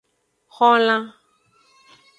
Xolan.